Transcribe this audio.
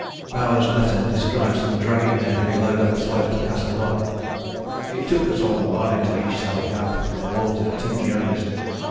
" Bowers' letter describes them dragging their heavy load up the slope to Castle Rock: "It took us all the morning to reach Saddle Camp with the loads in two journeys.